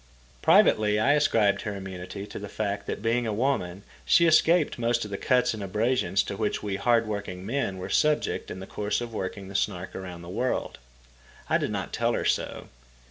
Privately I ascribed her immunity to the fact that, being a woman, she escaped most of the cuts and abrasions to which we hard working men were subject in the course of working the Snark around the world. I did not tell her so.